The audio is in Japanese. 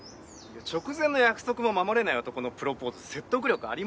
直前の約束も守れない男のプロポーズ説得力ありますか？